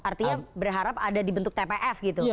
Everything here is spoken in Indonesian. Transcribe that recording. artinya berharap ada di bentuk tpf gitu